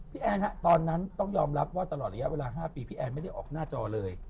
แอนฮะตอนนั้นต้องยอมรับว่าตลอดระยะเวลา๕ปีพี่แอนไม่ได้ออกหน้าจอเลย